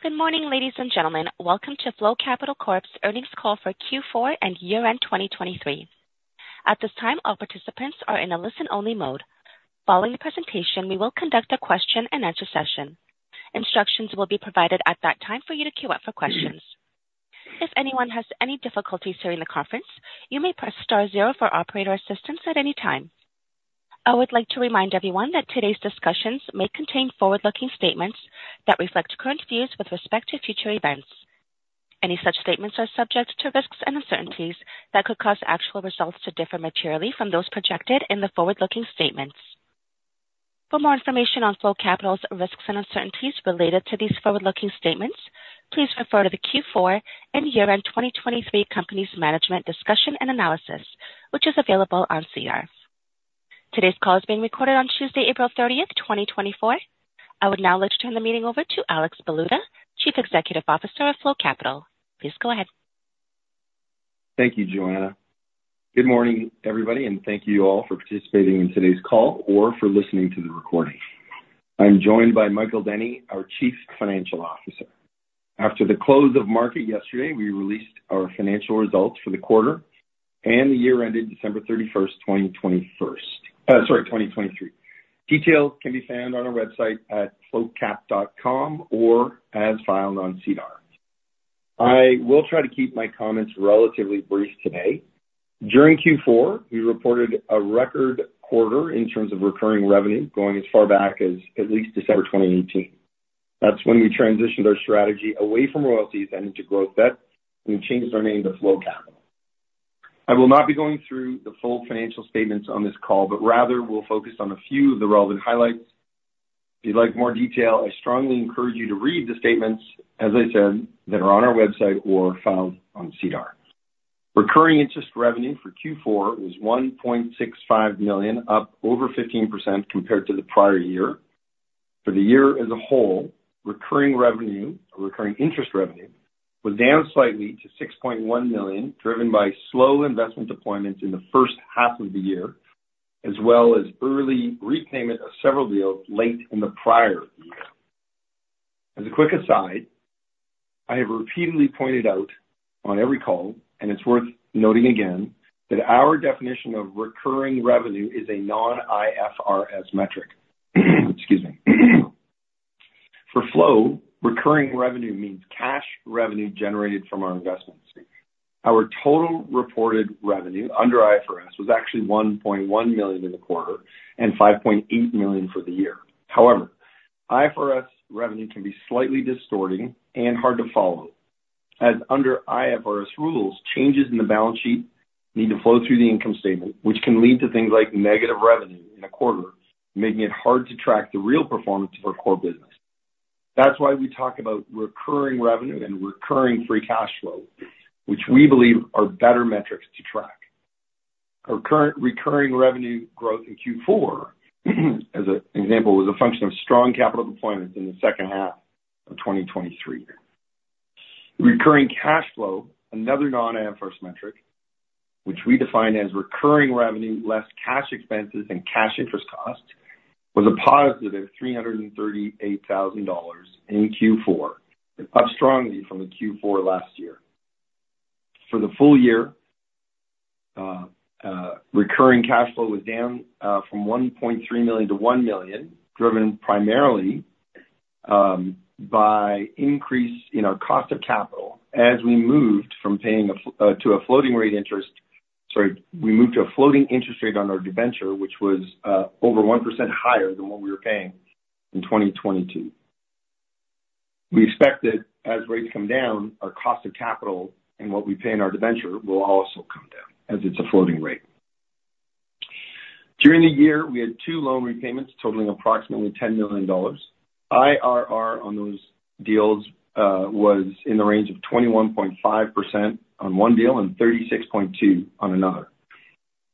Good morning, ladies and gentlemen. Welcome to Flow Capital Corp.'s earnings call for Q4 and year-end 2023. At this time, all participants are in a listen-only mode. Following the presentation, we will conduct a question-and-answer session. Instructions will be provided at that time for you to queue up for questions. If anyone has any difficulties during the conference, you may press star zero for operator assistance at any time. I would like to remind everyone that today's discussions may contain forward-looking statements that reflect current views with respect to future events. Any such statements are subject to risks and uncertainties that could cause actual results to differ materially from those projected in the forward-looking statements. For more information on Flow Capital's risks and uncertainties related to these forward-looking statements, please refer to the Q4 and year-end 2023 Company's Management Discussion and Analysis, which is available on SEDAR. Today's call is being recorded on Tuesday, April 30th, 2024. I would now like to turn the meeting over to Alex Baluta, Chief Executive Officer of Flow Capital. Please go ahead. Thank you, Joanna. Good morning, everybody, and thank you all for participating in today's call or for listening to the recording. I'm joined by Michael Denny, our Chief Financial Officer. After the close of market yesterday, we released our financial results for the quarter and the year ended December 31st, 2023. Details can be found on our website at flowcap.com or as filed on SEDAR. I will try to keep my comments relatively brief today. During Q4, we reported a record quarter in terms of recurring revenue, going as far back as at least December 2018. That's when we transitioned our strategy away from royalties and into growth debt and changed our name to Flow Capital. I will not be going through the full financial statements on this call, but rather we'll focus on a few of the relevant highlights. If you'd like more detail, I strongly encourage you to read the statements, as I said, that are on our website or filed on SEDAR. Recurring interest revenue for Q4 was 1.65 million, up over 15% compared to the prior year. For the year as a whole, recurring revenue, recurring interest revenue was down slightly to 6.1 million, driven by slow investment deployments in the first half of the year, as well as early repayment of several deals late in the prior year. As a quick aside, I have repeatedly pointed out on every call, and it's worth noting again, that our definition of recurring revenue is a non-IFRS metric. Excuse me. For Flow, recurring revenue means cash revenue generated from our investments. Our total reported revenue under IFRS was actually 1.1 million in the quarter and 5.8 million for the year. However, IFRS revenue can be slightly distorting and hard to follow, as under IFRS rules, changes in the balance sheet need to flow through the income statement, which can lead to things like negative revenue in a quarter, making it hard to track the real performance of our core business. That's why we talk about recurring revenue and recurring free cash flow, which we believe are better metrics to track. Our current recurring revenue growth in Q4, as an example, was a function of strong capital deployments in the second half of 2023. Recurring cash flow, another non-IFRS metric, which we define as recurring revenue less cash expenses and cash interest costs, was a positive 338 thousand dollars in Q4, up strongly from the Q4 last year. For the full year, recurring cash flow was down from 1.3 million to 1 million, driven primarily by increase in our cost of capital. Sorry, we moved to a floating interest rate on our debenture, which was over 1% higher than what we were paying in 2022. We expect that as rates come down, our cost of capital and what we pay in our debenture will also come down, as it's a floating rate. During the year, we had two loan repayments totaling approximately 10 million dollars. IRR on those deals was in the range of 21.5% on one deal and 36.2% on another.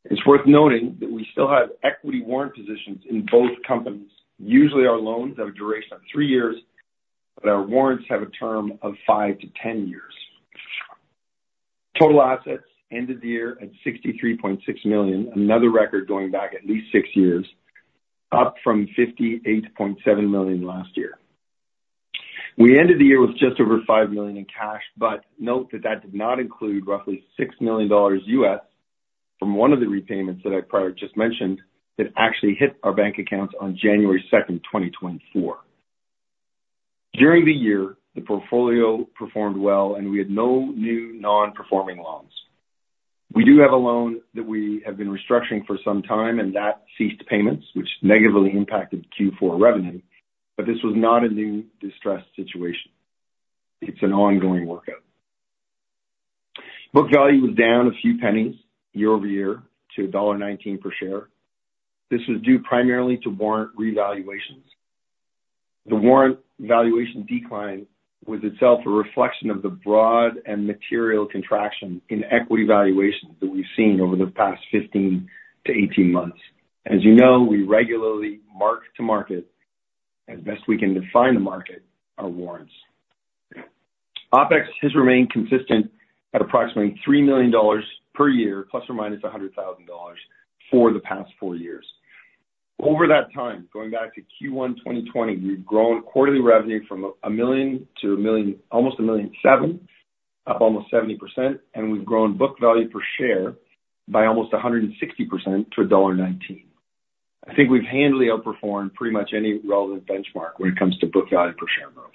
It's worth noting that we still have equity warrant positions in both companies. Usually, our loans have a duration of three years, but our warrants have a term of 5-10 years. Total assets ended the year at 63.6 million, another record going back at least six years, up from 58.7 million last year. We ended the year with just over 5 million in cash, but note that that did not include roughly $6 million from one of the repayments that I prior just mentioned, that actually hit our bank accounts on January 2nd, 2024. During the year, the portfolio performed well, and we had no new non-performing loans. We do have a loan that we have been restructuring for some time, and that ceased payments, which negatively impacted Q4 revenue, but this was not a new distressed situation. It's an ongoing workout. Book value was down a few pennies year-over-year to dollar 1.19 per share. This was due primarily to warrant revaluations. The warrant valuation decline was itself a reflection of the broad and material contraction in equity valuations that we've seen over the past 15-18 months. As you know, we regularly mark to market, as best we can define the market, our warrants.... OpEx has remained consistent at approximately 3 million dollars per year, ± 100,000 dollars for the past four years. Over that time, going back to Q1 2020, we've grown quarterly revenue from 1 million to almost 1.7 million, up almost 70%, and we've grown book value per share by almost 160% to dollar 1.19. I think we've handily outperformed pretty much any relevant benchmark when it comes to book value per share growth.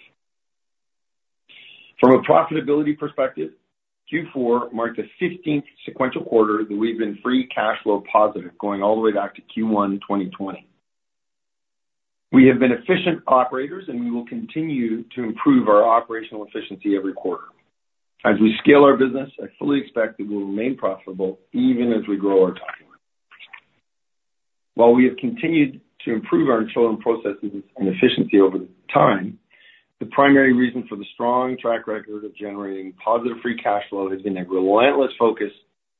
From a profitability perspective, Q4 marked the 15th sequential quarter that we've been free cash flow positive, going all the way back to Q1 2020. We have been efficient operators, and we will continue to improve our operational efficiency every quarter. As we scale our business, I fully expect that we'll remain profitable even as we grow our top line. While we have continued to improve our internal processes and efficiency over time, the primary reason for the strong track record of generating positive free cash flow has been a relentless focus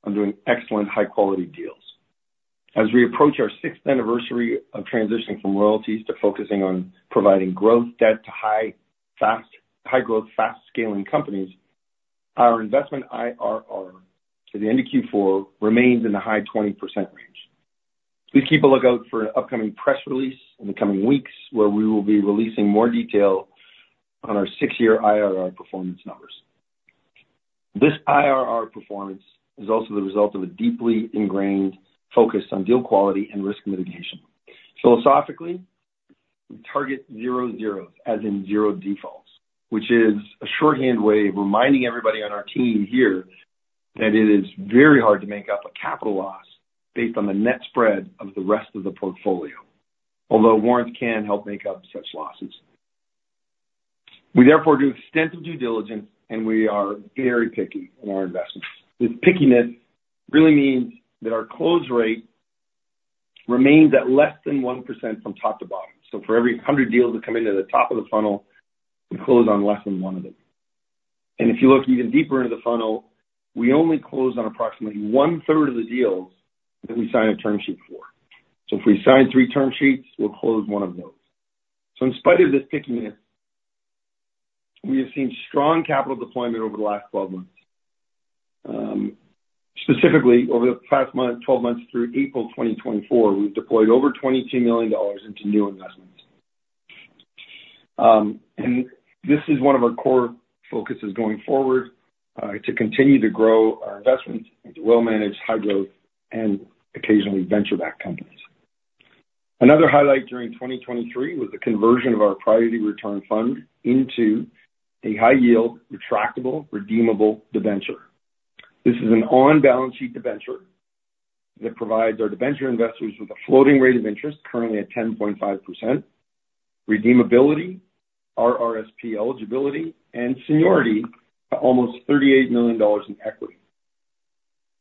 on doing excellent, high quality deals. As we approach our sixth anniversary of transitioning from royalties to focusing on providing growth debt to high, fast, high-growth, fast scaling companies, our investment IRR to the end of Q4 remains in the high 20% range. Please keep a lookout for an upcoming press release in the coming weeks, where we will be releasing more detail on our six-year IRR performance numbers. This IRR performance is also the result of a deeply ingrained focus on deal quality and risk mitigation. Philosophically, we target zero zeros, as in zero defaults, which is a shorthand way of reminding everybody on our team here that it is very hard to make up a capital loss based on the net spread of the rest of the portfolio, although warrants can help make up such losses. We therefore do extensive due diligence, and we are very picky in our investments. This pickiness really means that our close rate remains at less than 1% from top to bottom. So for every 100 deals that come into the top of the funnel, we close on less than one of them. And if you look even deeper into the funnel, we only close on approximately 1/3 of the deals that we sign a term sheet for. So if we sign three term sheets, we'll close one of those. So in spite of this pickiness, we have seen strong capital deployment over the last 12 months. Specifically, over the past month, 12 months through April 2024, we've deployed over 22 million dollars into new investments. And this is one of our core focuses going forward, to continue to grow our investments into well-managed, high-growth, and occasionally venture-backed companies. Another highlight during 2023 was the conversion of our Priority Return Fund into a high yield, retractable, redeemable debenture. This is an on-balance sheet debenture that provides our debenture investors with a floating rate of interest, currently at 10.5%, redeemability, RRSP eligibility, and seniority at almost 38 million dollars in equity.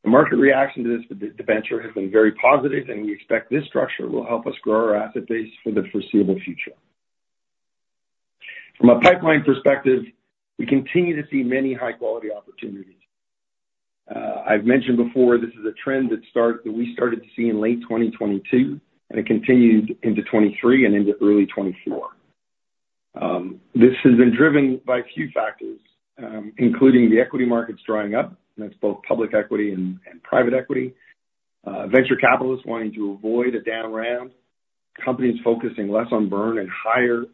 The market reaction to this debenture has been very positive, and we expect this structure will help us grow our asset base for the foreseeable future. From a pipeline perspective, we continue to see many high quality opportunities. I've mentioned before, this is a trend that we started to see in late 2022, and it continued into 2023 and into early 2024. This has been driven by a few factors, including the equity markets drying up, and that's both public equity and private equity. Venture capitalists wanting to avoid a down round, companies focusing less on burn and higher,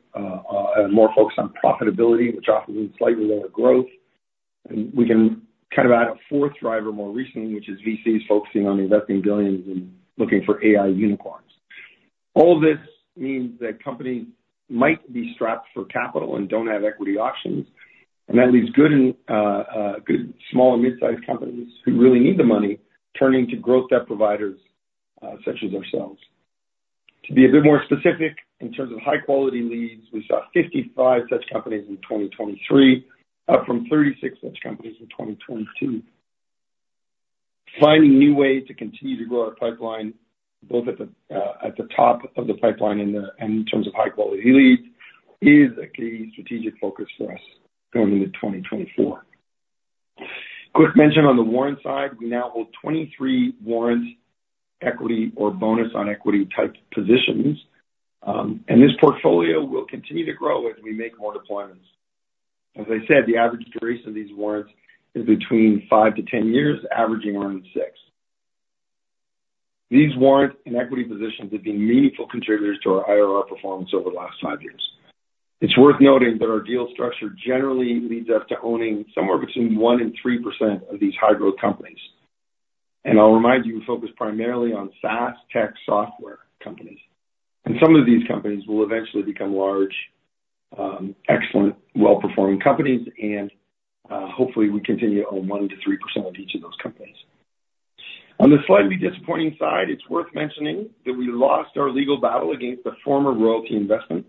more focused on profitability, which often means slightly lower growth. We can kind of add a fourth driver more recently, which is VCs focusing on investing billions and looking for AI unicorns. All this means that companies might be strapped for capital and don't have equity options, and that leaves good small and mid-sized companies who really need the money, turning to growth debt providers, such as ourselves. To be a bit more specific, in terms of high quality leads, we saw 55 such companies in 2023, up from 36 such companies in 2022. Finding new ways to continue to grow our pipeline, both at the top of the pipeline and in terms of high quality leads, is a key strategic focus for us going into 2024. Quick mention on the warrant side. We now hold 23 warrants, equity or bonus on equity-type positions, and this portfolio will continue to grow as we make more deployments. As I said, the average duration of these warrants is between 5-10 years, averaging around six. These warrants and equity positions have been meaningful contributors to our IRR performance over the last five years. It's worth noting that our deal structure generally leads us to owning somewhere between 1%-3% of these high growth companies. I'll remind you, we focus primarily on SaaS tech software companies, and some of these companies will eventually become large, excellent, well-performing companies, and, hopefully, we continue to own 1%-3% of each of those companies. On the slightly disappointing side, it's worth mentioning that we lost our legal battle against a former royalty investment.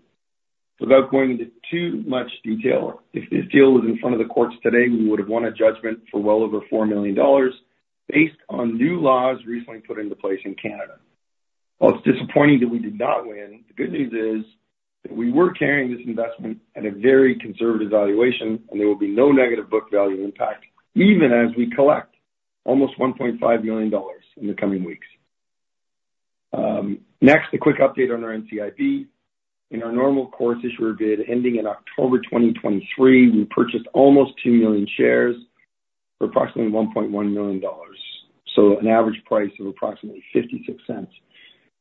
Without going into too much detail, if this deal was in front of the courts today, we would have won a judgment for well over 4 million dollars based on new laws recently put into place in Canada. While it's disappointing that we did not win, the good news is that we were carrying this investment at a very conservative valuation, and there will be no negative book value impact, even as we collect almost 1.5 million dollars in the coming weeks. Next, a quick update on our NCIB. In our Normal Course Issuer Bid ending in October 2023, we purchased almost 2 million shares for approximately 1.1 million dollars. So an average price of approximately 0.56. I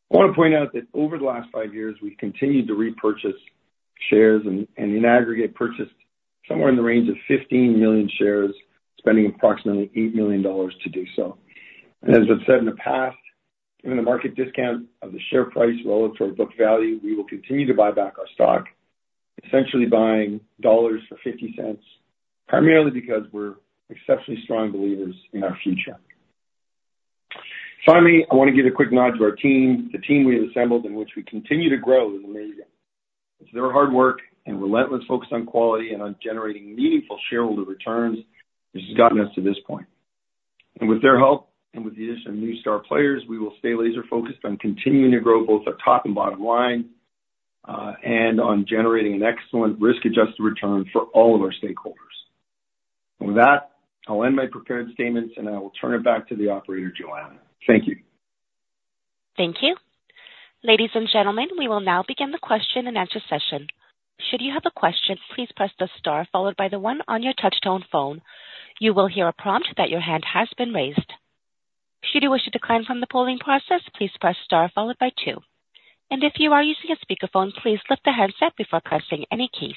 wanna point out that over the last five years, we've continued to repurchase shares and in aggregate, purchased somewhere in the range of 15 million shares, spending approximately 8 million dollars to do so. As I've said in the past, given the market discount of the share price relative to our book value, we will continue to buy back our stock, essentially buying dollars for 50 cents, primarily because we're exceptionally strong believers in our future. Finally, I want to give a quick nod to our team. The team we have assembled, in which we continue to grow, is amazing. It's their hard work and relentless focus on quality and on generating meaningful shareholder returns, which has gotten us to this point. With their help and with the addition of new star players, we will stay laser focused on continuing to grow both our top and bottom line, and on generating an excellent risk-adjusted return for all of our stakeholders. With that, I'll end my prepared statements, and I will turn it back to the operator, Joanna. Thank you. Thank you. Ladies and gentlemen, we will now begin the question and answer session. Should you have a question, please press the star followed by the one on your touchtone phone. You will hear a prompt that your hand has been raised. Should you wish to decline from the polling process, please press star followed by two. If you are using a speakerphone, please lift the handset before pressing any keys.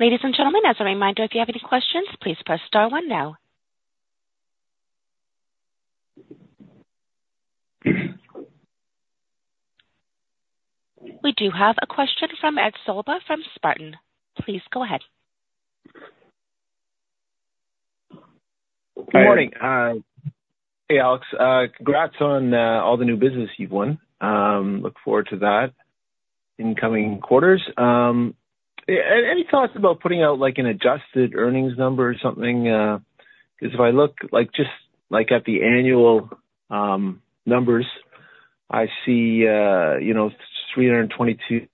Ladies and gentlemen, as a reminder, if you have any questions, please press star one now. We do have a question from Ed Sollbach from Spartan. Please go ahead. Good morning. Hey, Alex. Congrats on all the new business you've won. Look forward to that in coming quarters. Any thoughts about putting out, like, an adjusted earnings number or something? Because if I look, like, just at the annual numbers, I see, you know, 322-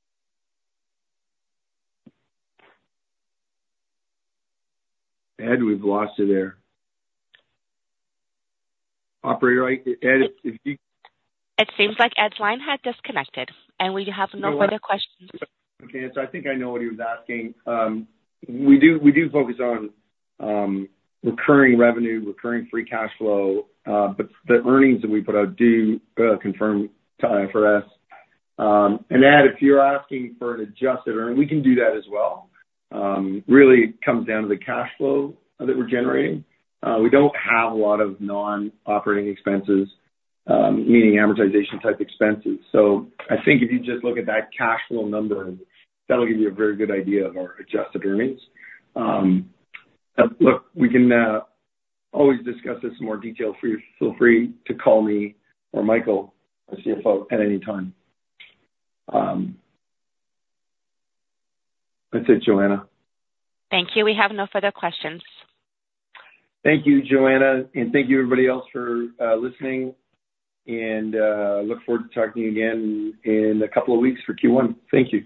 Ed, we've lost you there. Operator, I... Ed, if you- It seems like Ed's line has disconnected, and we have no further questions. Okay, so I think I know what he was asking. We do, we do focus on recurring revenue, recurring free cash flow, but the earnings that we put out do conform to IFRS. And Ed, if you're asking for an adjusted earning, we can do that as well. Really comes down to the cash flow that we're generating. We don't have a lot of non-operating expenses, meaning amortization type expenses. So I think if you just look at that cash flow number, that'll give you a very good idea of our adjusted earnings. Look, we can always discuss this in more detail. Feel free to call me or Michael, our CFO, at any time. That's it, Joanna. Thank you. We have no further questions. Thank you, Joanna, and thank you, everybody else, for listening and look forward to talking again in a couple of weeks for Q1. Thank you.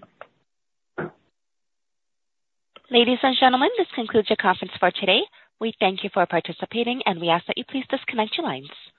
Ladies and gentlemen, this concludes your conference for today. We thank you for participating, and we ask that you please disconnect your lines.